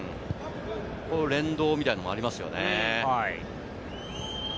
連動みたいなのがありますよね。